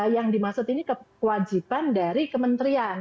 yang dimaksud ini kewajiban dari kementerian